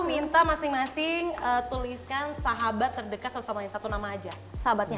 minta masing masing tuliskan sahabat terdekat sama yang satu nama aja sahabatnya